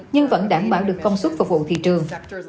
nhưng vẫn đảm bảo được công suất phục vụ thị trường